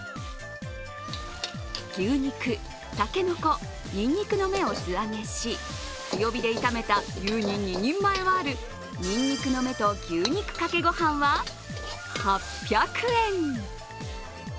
牛肉、竹の子、にんにくの芽を素揚げし、強火で炒めたゆうに２人前はあるにんにくの芽と牛肉かけご飯は８００円。